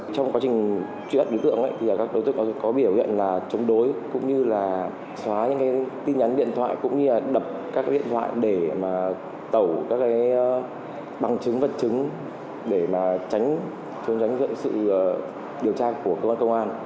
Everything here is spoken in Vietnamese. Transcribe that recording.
trong quá trình truy bắt đối tượng thì các đối tượng có biểu hiện là chống đối cũng như là xóa những tin nhắn điện thoại cũng như là đập các điện thoại để tẩu các bằng chứng vật chứng để mà tránh trốn tránh sự điều tra của cơ quan công an